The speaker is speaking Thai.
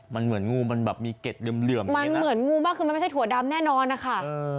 มันเหมือนงูมันแบบมีเกร็ดเหลื่อมมันเหมือนงูมากคือมันไม่ใช่ถั่วดำแน่นอนนะคะ